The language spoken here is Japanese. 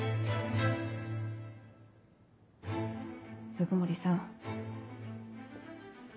鵜久森さん。